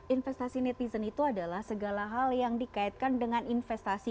investasi netizen itu adalah segala hal yang dikaitkan dengan investasi